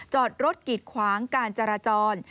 จอดรถกีดขวางการจราจร